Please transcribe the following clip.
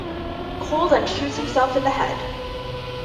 Cole then shoots himself in the head.